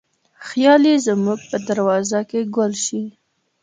خیال یې زموږ په دروازه کې ګل شي